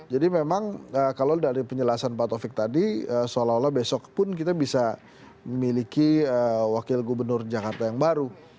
jadi memang kalau dari penjelasan pak tovik tadi seolah olah besok pun kita bisa memiliki wakil gubernur jakarta yang baru